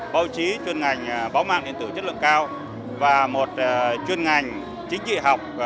báo chí chuyên ngành báo mạng điện tử chất lượng cao và một chuyên ngành chính trị học